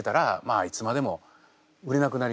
あいつまでも売れなくなりますよね。